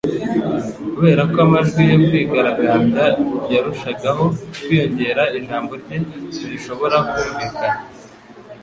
Kubera ko amajwi yo kwigaragambya yarushagaho kwiyongera, ijambo rye ntirishobora kumvikana